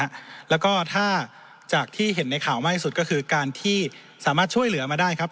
แล้วก็ถ้าจากที่เห็นในข่าวมากที่สุดก็คือการที่สามารถช่วยเหลือมาได้ครับ